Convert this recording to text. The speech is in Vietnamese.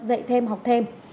dạy thêm học thêm